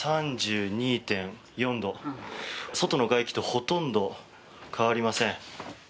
外の外気とほとんど変わりません。